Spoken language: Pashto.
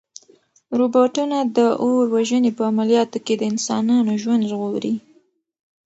روبوټونه د اور وژنې په عملیاتو کې د انسانانو ژوند ژغوري.